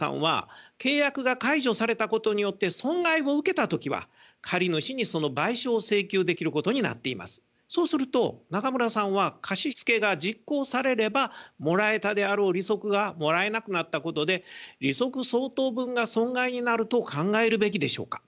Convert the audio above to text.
ただしそうすると中村さんは貸し付けが実行されればもらえたであろう利息がもらえなくなったことで利息相当分が損害になると考えるべきでしょうか。